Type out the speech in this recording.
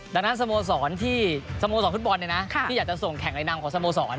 ดังนั้นสโมสรทุกบอลเนี่ยนะที่อยากจะส่งแข่งลายนางของสโมสร